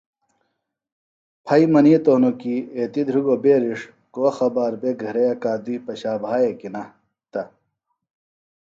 پھئیۡ منِیتوۡ ہنوۡ کیۡ ایتیۡ دھرِگوۡ بیرِݜ کو خبار بےۡ گھرے اکادُئی پشائیۡ بھایہ کیۡ نہ تہ